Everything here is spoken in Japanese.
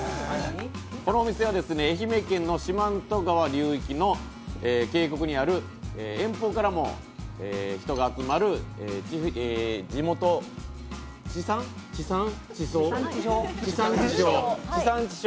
このお店は愛媛県の四万十川流域にある遠方からも人が集まる地元地産地消？